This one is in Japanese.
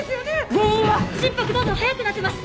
⁉原因は⁉心拍どんどん速くなってます！